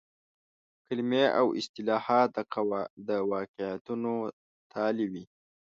کلمې او اصطلاحات د واقعیتونو تالي وي.